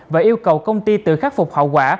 và yêu cầu công ty tự khắc phục hậu quả